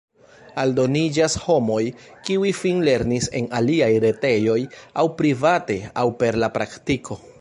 Aldoniĝas homoj, kiuj finlernis en aliaj retejoj aŭ private aŭ per la praktiko.